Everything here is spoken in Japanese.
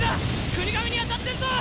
國神に当たってんぞ！